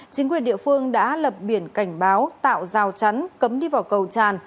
chính quyền địa phương đã lập biển cảnh báo tạo rào chắn cấm đi vào cầu tràn